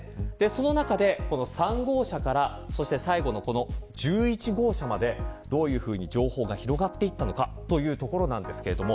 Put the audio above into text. その中で、３号車から最後の１１号車までどういうふうに情報が広がっていったのかというところです。